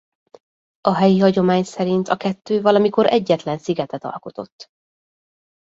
A helyi hagyomány szerint a kettő valamikor egyetlen szigetet alkotott.